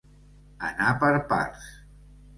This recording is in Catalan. Anar per parts.